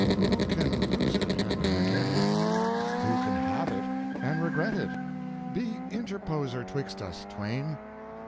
Who can lose it and forget it? Who can have it and regret it? Be interposer 'twixt us Twain.